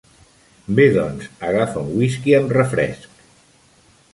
Bé doncs, agafa un whisky amb refresc!